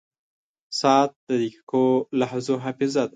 • ساعت د دقیقو لحظو حافظه ده.